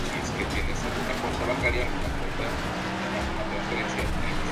Asesinan a tres civiles, a quienes consideran responsables de la caída de un terrorista.